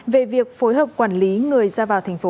về việc phối hợp quản lý người ra vào thành phố